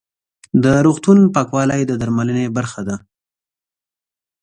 د روغتون پاکوالی د درملنې برخه ده.